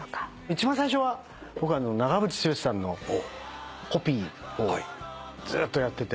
一番最初は長渕剛さんのコピーをずっとやってて。